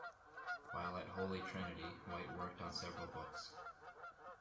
While at Holy Trinity, White worked on several books.